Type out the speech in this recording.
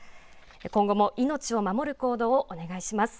今後も命を守る行動をお願いします。